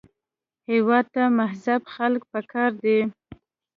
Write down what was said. هېواد ته مهذب خلک پکار دي